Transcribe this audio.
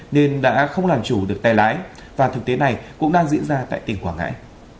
nên đã không làm chủ được tay lái và thực tế này cũng đang diễn ra tại tỉnh quảng ngãi